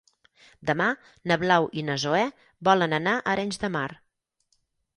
Demà na Blau i na Zoè volen anar a Arenys de Mar.